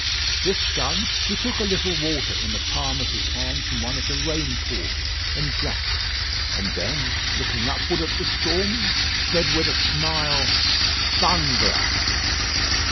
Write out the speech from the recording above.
This done, he took a little water in the palm of his hand from one of the rain pools, and drank: and then, looking upward at the storm, said with a smile, "Bungler!"